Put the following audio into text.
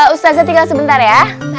ustadzah tinggal sebentar ya ustadzah